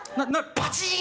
バチーン